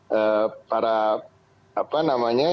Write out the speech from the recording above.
dan para apa namanya